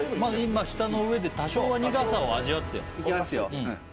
舌の上で多少は苦さを味わってよいきますよ